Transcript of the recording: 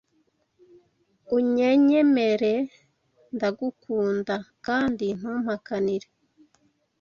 unyenyemere ndagukunda kandi ntumpakanire